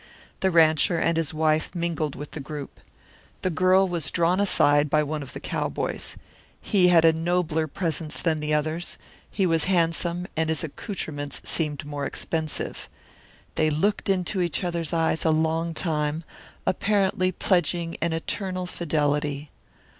The rancher and his wife mingled with the group. The girl was drawn aside by one of the cowboys. He had a nobler presence than the others; he was handsome and his accoutrements seemed more expensive. They looked into each other's eyes a long time, apparently pledging an eternal fidelity.